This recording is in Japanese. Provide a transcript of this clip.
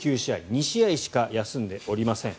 ２試合しか休んでおりません。